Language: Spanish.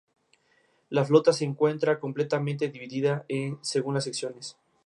Fue además entrenador en ambas ligas, destacando su labor en los Syracuse Nationals.